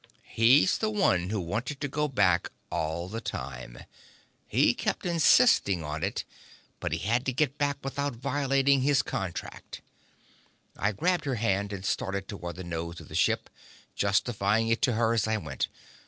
"He's the one who wanted to go back all the time. He kept insisting on it, but he had to get back without violating his contract." I grabbed her hand and started toward the nose of the ship, justifying it to her as I went.